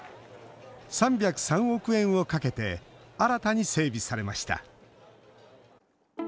３０３億円をかけて新たに整備されました。